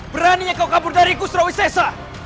beraninya kau kabur dari ikut surawisessa